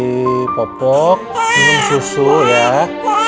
ntar dikit lagi selesai